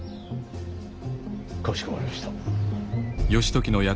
かしこまりました。